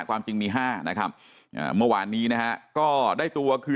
ความจริงมี๕นะครับเมื่อวานนี้นะฮะก็ได้ตัวคือ